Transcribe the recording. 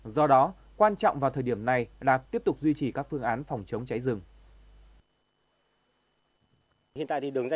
do đó quan trọng vào thời điểm này là tiếp tục duy trì các phương án phòng chống cháy rừng